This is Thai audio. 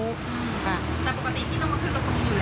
แต่ปกติพี่ต้องมาขยับรถอยู่เนี่ย